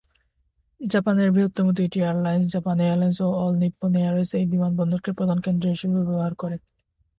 জাপানের বৃহত্তম দুইটি এয়ারলাইন্স জাপান এয়ারলাইন্স ও অল নিপ্পন এয়ারওয়েজ এই বিমানবন্দরকে প্রধান কেন্দ্র হিসেবে ব্যবহার করে।